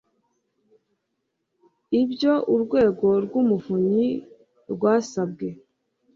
ibyo urwego rw'umuvunyi rwasabwe